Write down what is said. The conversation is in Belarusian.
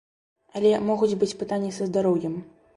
Але могуць быць пытанні са здароўем.